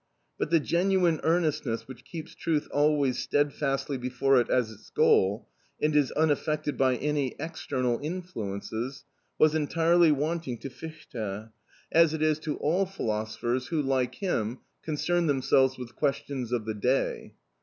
But the genuine earnestness which keeps truth always steadfastly before it as its goal, and is unaffected by any external influences, was entirely wanting to Fichte, as it is to all philosophers who, like him, concern themselves with questions of the day.